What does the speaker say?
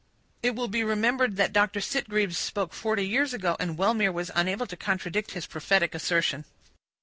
It will be remembered that Doctor Sitgreaves spoke forty years ago, and Wellmere was unable to contradict his prophetic assertion.